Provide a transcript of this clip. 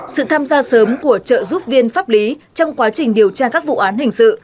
sự tham gia sớm của trợ giúp viên pháp lý trong quá trình điều tra các vụ án hình sự